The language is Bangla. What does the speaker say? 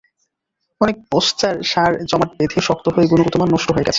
অনেক বস্তার সার জমাট বেঁধে শক্ত হয়ে গুণগত মান নষ্ট হয়ে গেছে।